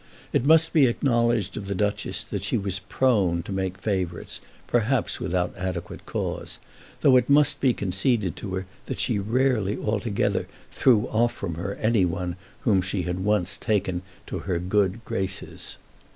It must be acknowledged of the Duchess that she was prone to make favourites, perhaps without adequate cause; though it must be conceded to her that she rarely altogether threw off from her any one whom she had once taken to her good graces.